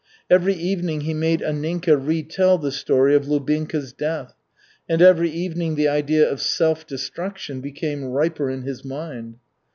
Every evening he made Anninka retell the story of Lubinka's death, and every evening the idea of self destruction became riper in his mind.